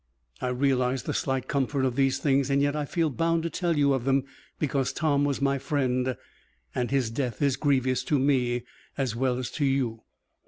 "I realize the slight comfort of these things, and yet I feel bound to tell you of them, because Tom was my friend, and his death is grievous to me as well as to you.